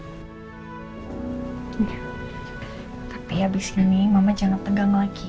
iya tapi abis ini mama jangan tegang lagi ya